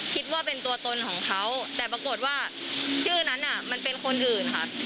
คิดว่าเป็นตัวตนของเขาแต่ปรากฏว่าชื่อนั้นมันเป็นคนอื่นค่ะ